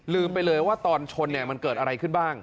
ไปเลยว่าตอนชนมันเกิดอะไรขึ้นบ้าง